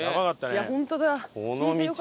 いやホントだ。